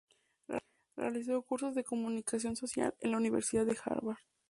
Realizó cursos de Comunicación Social en la Universidad de Harvard.